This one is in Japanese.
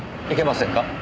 いけませんか？